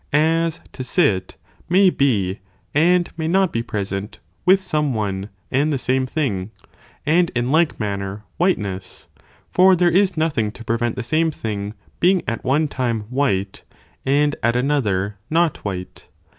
as, to sit may be and may not be present with some one and the same thing, and in like man ner whiteness, for there is nothing to prevent the same thing being at one time white and at another not white.